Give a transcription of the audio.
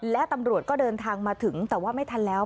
และตำรวจก็เดินทางมาถึงแต่ว่าไม่ทันแล้ว